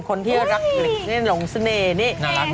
คนที่รักหลีนหลงเสน่ห์นี่